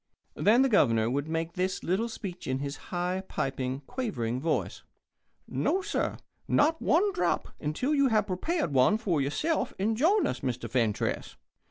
Then the Governor would make this little speech in his high, piping, quavering voice: "No, sir not one drop until you have prepared one for yourself and join us, Mr. Fentress.